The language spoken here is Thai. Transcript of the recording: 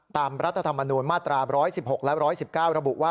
ตามรัฐธรรมนูญมาตราบร้อยสิบหกและร้อยสิบเก้าระบุว่า